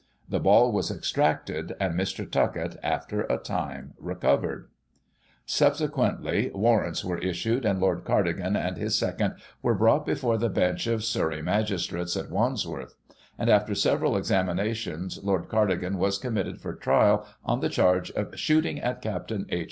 The ball was extracted, and Mr. Tuckett, after a time, recovered Subsequently, warrants were issued, and Lord Cardigan and his second were brought before the Bench of Surrey Magistrates, at Wandsworth ; and after several examinations, Lord Cardigan was committed for trial on the charge of " Shooting at Capt. H.